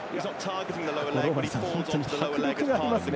本当に迫力がありますね。